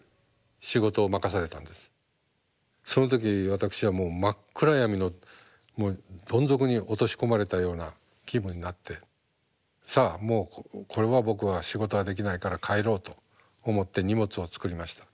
その時私はもう真っ暗闇のどん底に落とし込まれたような気分になって「さあもうこれは僕は仕事ができないから帰ろう」と思って荷物を作りました。